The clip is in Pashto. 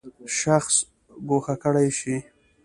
شخص ګوښه کړی شي.